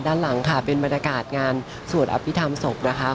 ด้านหลังค่ะเป็นบรรยากาศงานสวดอภิษฐรรมศพนะคะ